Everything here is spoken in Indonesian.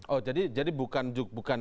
oh jadi bukan juga